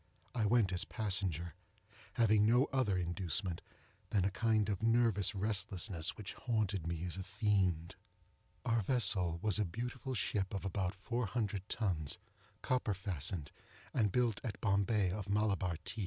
I went as passenger—having no other inducement than a kind of nervous restlessness which haunted me as a fiend. Our vessel was a beautiful ship of about four hundred tons, copper fastened, and built at Bombay of Malabar teak.